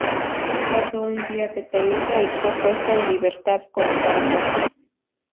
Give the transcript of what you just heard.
Pasó un día detenida y fue puesta en libertad con cargos.